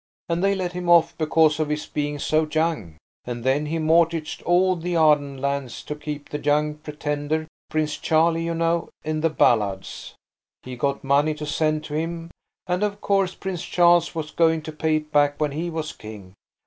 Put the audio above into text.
And they let him off because of his being so young. And then he mortgaged all the Arden lands to keep the Young Pretender–Prince Charlie, you know, in the ballads. He got money to send to him, and of course Prince Charlie was going to pay it back when he was king.